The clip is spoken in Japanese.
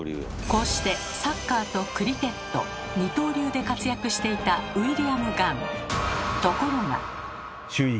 こうしてサッカーとクリケット二刀流で活躍していたウィリアム・ガン。